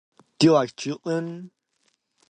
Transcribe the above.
Do you like ցհառլիե ցհապլին childrեն